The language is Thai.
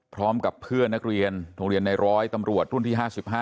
พร้อมกับเพื่อนนักเรียนโรงเรียนในร้อยตำรวจรุ่นที่๕๕